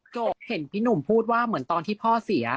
จบเห็นพี่หนุ่มพูดว่าเหมือนตอนที่พ่อเสีย